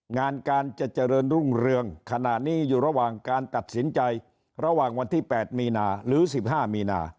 งานการจะเจริญรุ่งเรืองขณะนี้อยู่ระหว่างการตัดสินใจระหว่างวันที่๘มีนาหรือ๑๕มีนา